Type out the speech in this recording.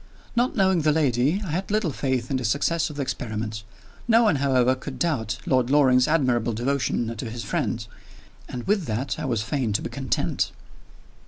Not knowing the lady, I had little faith in the success of the experiment. No one, however, could doubt Lord Loring's admirable devotion to his friend and with that I was fain to be content.